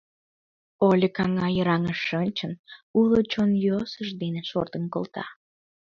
Олик, аҥа йыраҥыш шинчын, уло чон йӧсыж дене шортын колта.